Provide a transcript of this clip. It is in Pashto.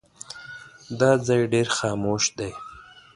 دا ځای ډېر خاموش دی.